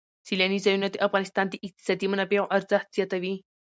سیلانی ځایونه د افغانستان د اقتصادي منابعو ارزښت زیاتوي.